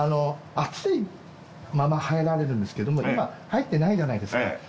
熱いまま入られるんですけども今入ってないじゃないですか。